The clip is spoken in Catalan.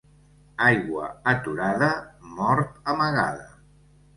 Aigua aturada, mort amagada.